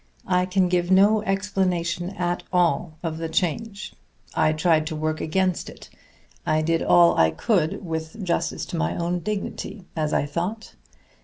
I can give no explanation at all of the change. I tried to work against it; I did all I could with justice to my own dignity, as I thought.